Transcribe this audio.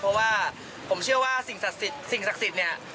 เพราะว่าผมเชื่อว่าสิ่งศักดิ์สิ่งศักดิ์สิทธิ์เนี่ย